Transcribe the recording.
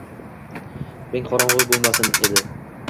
Ming qorong‘i bo‘lmasin edi.